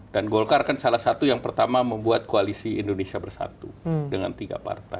dan golkar kan salah satu yang pertama membuat koalisi indonesia bersatu dengan tiga partai